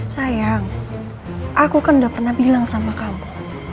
sayang aku kan udah pernah bilang sama kamu